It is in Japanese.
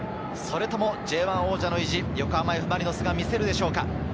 Ｊ１王者の意地、横浜Ｆ・マリノスが見せるでしょうか？